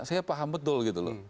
saya paham betul gitu loh